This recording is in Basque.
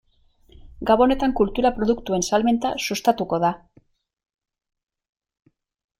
Gabonetan kultura produktuen salmenta sustatuko da.